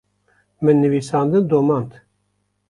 min nivîsandin domand.